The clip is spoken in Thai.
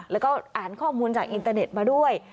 แล้วก็อ่านข้อมูลจากอินเตอร์เน็ตมาด้วย